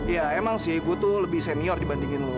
iya emang sih gue tuh lebih senior dibandingin lo